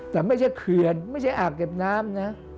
แต่ไม่ใช่เขื่อนไม่ใช่อ่างเก็บน้ำนะ